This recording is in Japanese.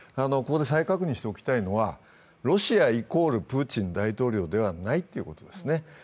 ここで再確認しておきたいのはロシア＝プーチン大統領ではないということですね。